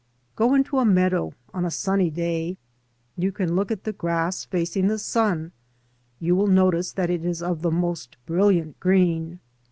. Go into a meadow on a sunny day. If you look at the grass facing the sun, you will notice that it is of the most brilliant green.